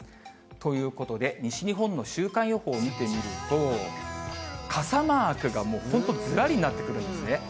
ということで、西日本の週間予報を見てみると、傘マークがもう本当、ずらりになってくるんですね。